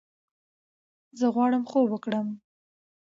زۀ غواړم خوب وکړم!